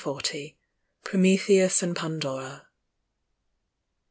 327 ) PROMETHEUS AND PANDORA.